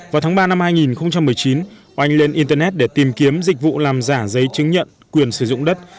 vào tháng ba năm hai nghìn một mươi chín oanh lên internet để tìm kiếm dịch vụ làm giả giấy chứng nhận quyền sử dụng đất